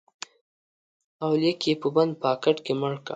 اولیک یې په بند پاکټ کې مړ کړ